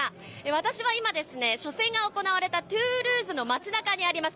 私は今ですね、初戦が行われたトゥールーズの街なかにあります